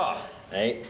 はい。